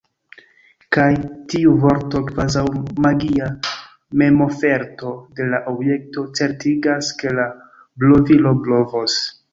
Kaj tiu vorto, kvazaŭ magia memoferto de la objekto, certigas, ke la blovilo blovos.